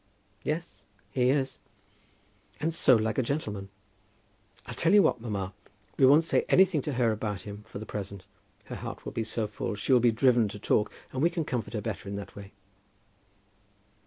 "Yes, he is." "And so like a gentleman! I'll tell you what, mamma; we won't say anything to her about him for the present. Her heart will be so full she will be driven to talk, and we can comfort her better in that way."